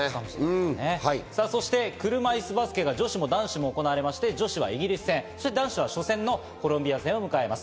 そして車いすバスケが女子も男子も行われて、女子はイギリス戦、男子は初戦のコロンビア戦です。